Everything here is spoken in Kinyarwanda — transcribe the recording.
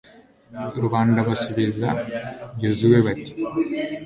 rubanda basubiza yozuwe bati